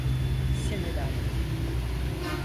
Seni lanet…